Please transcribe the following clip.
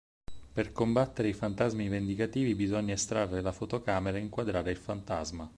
Per combattere i fantasmi vendicativi bisogna estrarre la fotocamera e inquadrare il fantasma.